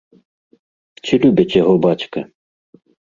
Ці любіць яго бацька?